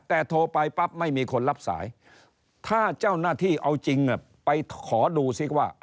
แต่โทรไปปั๊บไม่มีคนรับสายถ้าเจ้าหน้าที่เอาจริงไปขอดูซิว่า